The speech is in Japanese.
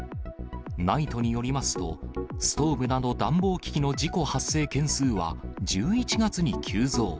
ＮＩＴＥによりますと、ストーブなど暖房機器の事故発生件数は１１月に急増。